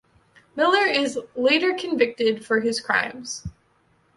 Miller is later convicted for his crimes.